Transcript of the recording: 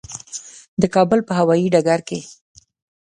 د کابل په هوایي ډګر کې.